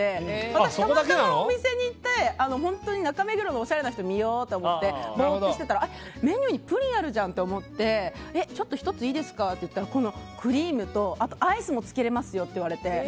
私、たまたまお店に行って中目黒のおしゃれな人を見ようと思って、ボーっとしてたらメニューにプリンあるじゃんって思って、１ついいですかって言ったらこのクリームとあとアイスも付けられますよって言われて。